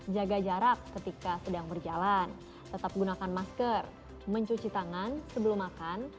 jaga jarak ketika sedang berjalan tetap gunakan masker mencuci tangan sebelum makan